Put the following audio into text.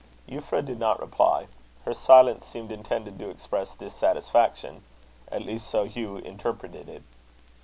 Euphra did not reply. Her silence seemed intended to express dissatisfaction; at least so Hugh interpreted it.